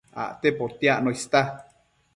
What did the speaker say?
Acte potiacno ista